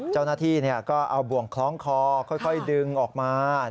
เจ้าหน้าที่ก็เอาบ่วงคล้องคอค่อยดึงออกมา